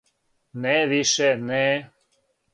Не више, не.